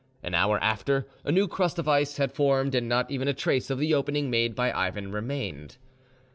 An hour after, a new crust of ice had formed, and not even a trace of the opening made by Ivan remained.